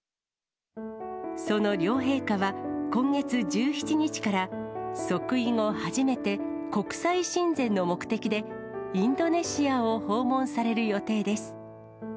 その両陛下は、今月１７日から、即位後初めて、国際親善の目的で、インドネシアを訪問される予定です。